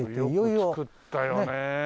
よく造ったよね。